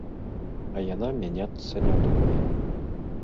А яна мяняцца не думае.